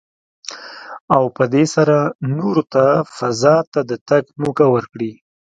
او په دې سره نورو ته فضا ته د تګ موکه ورکړي.